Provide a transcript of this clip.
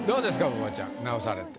馬場ちゃん直されて。